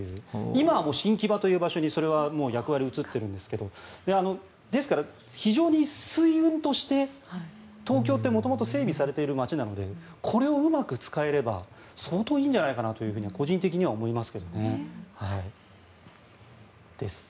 今は新木場という場所にそれは役割は移ってますがですから非常に水運として東京って元々整備されている街なのでこれをうまく使えれば相当いいんじゃないかなと個人的には思いますが。です。